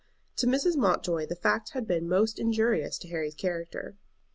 To Mrs. Mountjoy the fact had been most injurious to Harry's character.